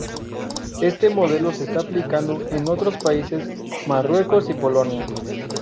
Este modelo se está aplicando en otros países: Marruecos y Polonia.